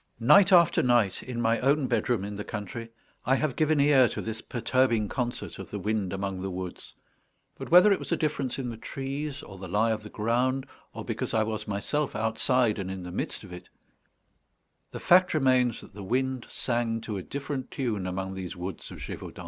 Night after night, in my own bedroom in the country, I have given ear to this perturbing concert of the wind among the woods, but whether it was a difference in the trees, or the lie of the ground, or because I was myself outside and in the midst of it, the fact remains that the wind sang to a different tune among these woods of Gévaudan.